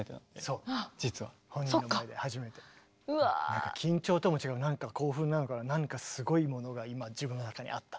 なんか緊張とも違う何か興奮なのかななんかすごいものが今自分の中にあった。